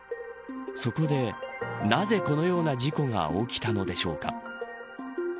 そこで、なぜこのような事故が起きたのでしょうか。